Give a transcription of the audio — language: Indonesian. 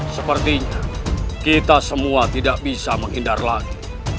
sepertinya kita semua tidak bisa menghindar lagi